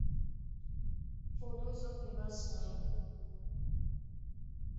Photo of Weavers Mine